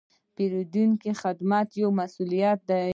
د پیرودونکو خدمت یو مسوولیت دی.